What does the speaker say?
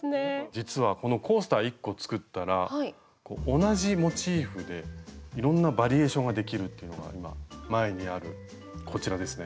実はこのコースター１個作ったら同じモチーフでいろんなバリエーションができるっていうのが今前にあるこちらですね。